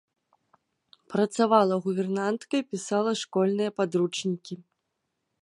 Працавала гувернанткай, пісала школьныя падручнікі.